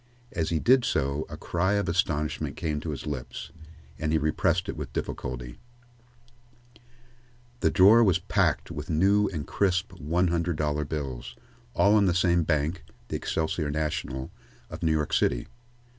As he did so, a cry of astonishment came to his lips, and he repressed it with difficulty, The drawer was packed with new and crisp one hundred dollar bills, all on the same bank, the Excelsior National, of New York City.